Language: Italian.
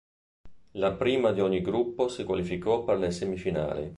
La prima di ogni gruppo si qualificò per le semifinali.